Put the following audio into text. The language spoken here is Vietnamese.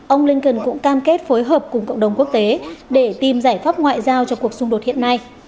ông blinken cũng cam kết phối hợp cùng cộng đồng quốc tế để tìm giải pháp ngoại giao cho cuộc xung đột hiện nay